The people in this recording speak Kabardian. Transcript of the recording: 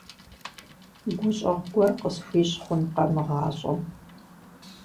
ГущӀэгъу гуэр къысхуищӀ хъунукъэ мы гъащӀэм?